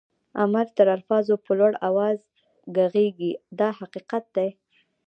عمل تر الفاظو په لوړ آواز ږغيږي دا حقیقت دی.